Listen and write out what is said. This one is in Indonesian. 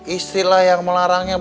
istrilah yang melarangnya